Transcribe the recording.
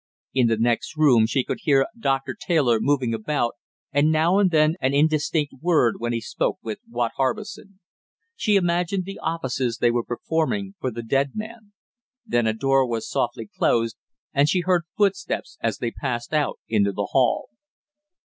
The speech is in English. In the next room she could hear Doctor Taylor moving about and now and then an indistinct word when he spoke with Watt Harbison. She imagined the offices they were performing for the dead man. Then a door was softly closed and she heard footsteps as they passed out into the hall.